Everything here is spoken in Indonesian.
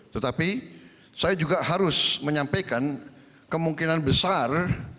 tetapi saya juga harus menyampaikan kemungkinan besar